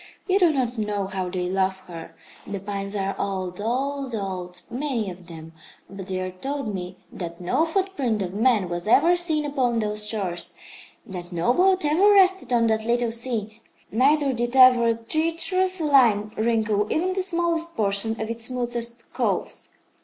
You do not know how they love her. The pines are old, old, old, many of them, but they told me that no footprint of man was ever seen upon those shores, that no boat ever rested on that little sea, neither did ever a treacherous line wrinkle even the smallest portion of its smoothest coves.